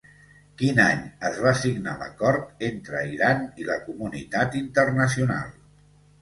Quin any es va signar l'acord entre Iran i la comunitat internacional?